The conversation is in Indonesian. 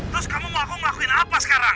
terus kamu mau aku ngelakuin apa sekarang